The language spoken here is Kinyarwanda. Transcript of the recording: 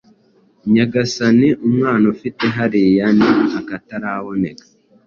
Nyagasani umwana ufite hariya ni akataraboneka!